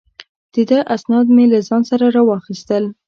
د ده اسناد مې له ځان سره را واخیستل.